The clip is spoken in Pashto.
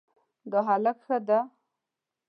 دا هلک ښه ده